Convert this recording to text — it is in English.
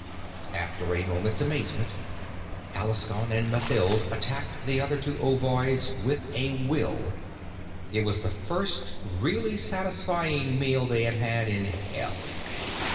After a moment's amazement, Alaskon and Mathild attacked the other two ovoids with a will. It was the first really satisfying meal they had had in Hell.